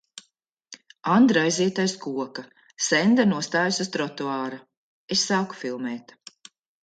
Andra aiziet aiz koka. Senda nostājas uz trotuāra. Es sāku filmēt.